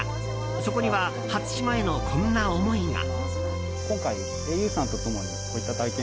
そこには初島へのこんな思いが。